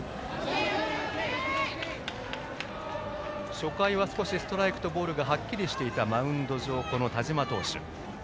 初回は少しストライクとボールがはっきりしていたマウンド上の田嶋投手。